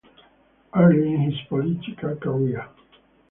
Earlier in his political career.